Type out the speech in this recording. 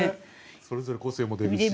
それぞれ個性も出るし。